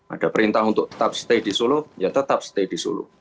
ada perintah untuk tetap stay di solo ya tetap stay di solo